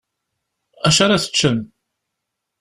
Acu ara teččem?